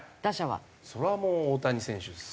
そりゃもう大谷選手です。